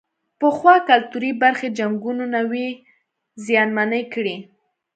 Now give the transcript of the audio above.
پخوا کلتوري برخې جنګونو نه وې زیانمنې کړې.